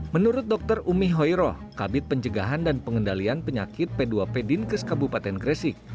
menurut dr umi hoiroh kabit pencegahan dan pengendalian penyakit p dua p dinkes kabupaten gresik